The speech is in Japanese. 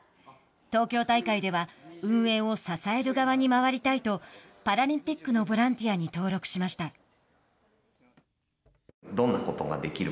東京大会では運営を支える側に回りたいとパラリンピックのボランティアに登録しました。